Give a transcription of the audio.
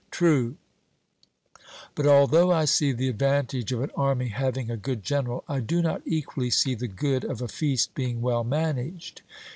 'True; but although I see the advantage of an army having a good general, I do not equally see the good of a feast being well managed.'